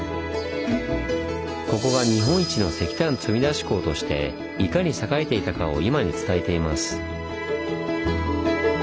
ここが日本一の石炭積み出し港としていかに栄えていたかを今に伝えています。